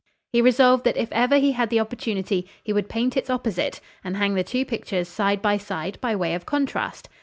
He resolved that if ever he had the opportunity he would paint its opposite, and hang the two pictures side by side by way of contrast.